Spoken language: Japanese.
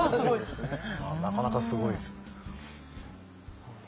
なかなかすごいですよね。